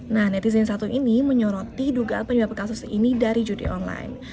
nah netizen satu ini menyoroti dugaan penyebab kasus ini dari judi online